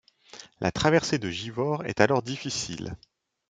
La traversée de Givors est alors difficile.